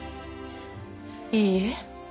いいえ。